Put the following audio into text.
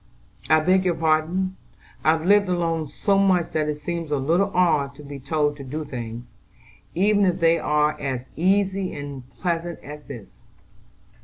"I beg your pardon: I've lived alone so much that it seems a little odd to be told to do things, even if they are as easy and pleasant as this."